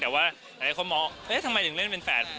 แต่ว่าใดคนเอ๊ะทำไมจงเล่นเป็นแฟร์ด